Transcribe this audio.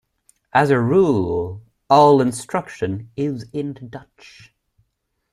As a rule, all instruction is in Dutch.